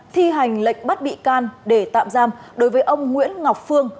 thi hành lệnh bắt bị can để tạm giam đối với ông nguyễn ngọc phương